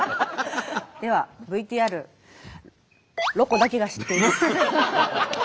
ではＶＴＲ「ロコだけが知っている」。